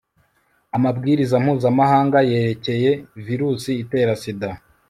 amabwiriza mpuzamahanga yerekeye virusi itera sida